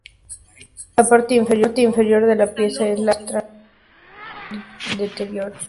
La parte inferior de la pieza es la que muestra mayor deterioro.